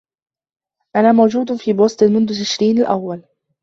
أنا موجود في بوستن منذ تشرين الأول.